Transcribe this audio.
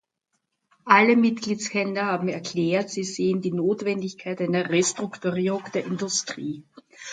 Alle Mitgliedsländer haben erklärt, sie sähen die Notwendigkeit einer Restrukturierung der Industrie.